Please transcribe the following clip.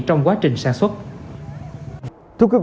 trong quá trình sản xuất